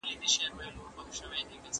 انساني کرامت باید تل خوندي وساتل سي.